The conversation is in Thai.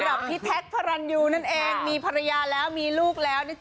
สำหรับพี่แท็กพระรันยูนั่นเองมีภรรยาแล้วมีลูกแล้วนะจ